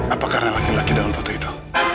apa karena laki laki dalam foto itu